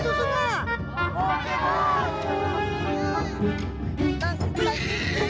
sekarang cari susu buat kuntur